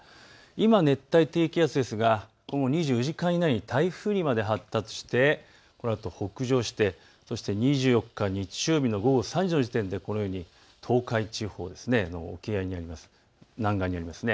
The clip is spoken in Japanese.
今、熱帯低気圧ですが今後、２４時間以内に台風にまで発達してこのあと北上してそして２４日、日曜日の午後３時の時点でこのように東海地方の南岸にあります。